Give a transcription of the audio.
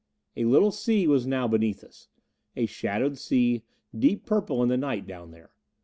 A little sea was now beneath us. A shadowed sea, deep purple in the night down there.